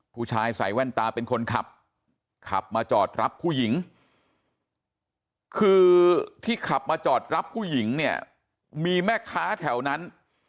ผู้ชายใส่แว่นตาเป็นคนขับขับมาจอดรับผู้หญิงคือที่ขับมาจอดรับผู้หญิงเนี่ยมีแม่ค้าแถวนั้น